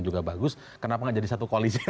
juga bagus kenapa gak jadi satu koalisi